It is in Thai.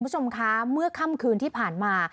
คุณผู้ชมคะเมื่อค่ำคืนที่ผ่านมา